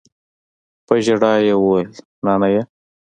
په ژړا يې وويل نانىه.